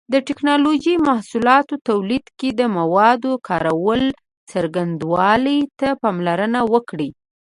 د ټېکنالوجۍ محصولاتو تولید کې د موادو کارولو څرنګوالي ته پاملرنه وکړئ.